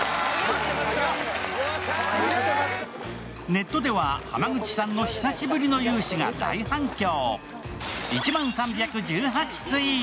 ネットでは、濱口さんの久しぶりの雄姿が大反響。